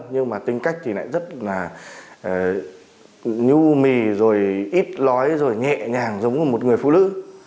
nhưng mà tính cách thì lại rất là nhu mì rồi ít lói rồi nhẹ nhàng giống của một người phụ nữ